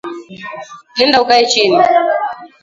Nenda ukae chini